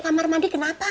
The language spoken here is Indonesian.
kamar mandi kenapa